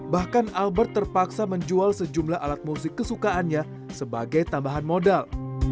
bahkan albert terpaksa menjual sejumlah alat musik kesukaannya sebagai tambahan modal